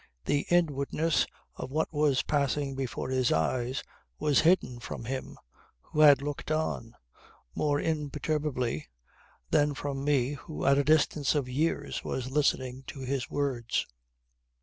The inwardness of what was passing before his eyes was hidden from him, who had looked on, more impenetrably than from me who at a distance of years was listening to his words.